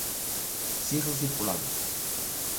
Sigan circulando.